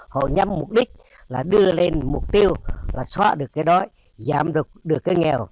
họ nhằm mục đích là đưa lên mục tiêu là xóa được cái đói giảm được cái nghèo